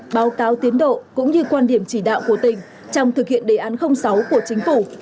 báo cáo tiến độ cũng như quan điểm chỉ đạo của tỉnh trong thực hiện đề án sáu của chính phủ